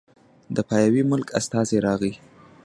د پاياوي ملک استازی راغی